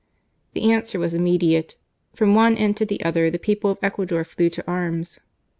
The answer was immediate : from one end to the other, the people of Ecuador flew to arms.